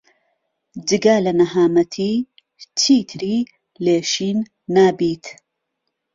جگە لە نەهامەتی چیتری لێ شین نابیت.